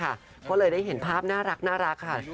ก็เลยได้เห็นภาพน่ารักค่ะ